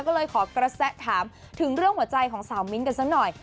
ก็เลยขอกระแสถามถึงเรื่องหัวใจของสาวมิ้นท์กันสักหน่อย